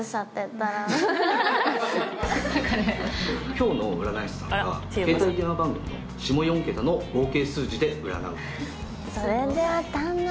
今日の占い師さんが携帯電話番号の下４桁の合計数字で占う。